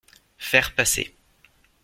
Faire passer